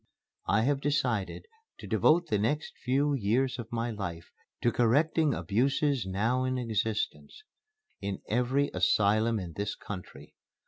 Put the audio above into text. I have decided to devote the next few years of my life to correcting abuses now in existence in every asylum in this country.